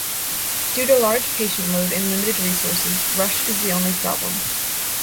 Due to large patient load and limited resources, rush is the only problem.